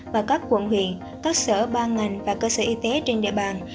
và các quận huyện các sở ban ngành và cơ sở y tế trên địa bàn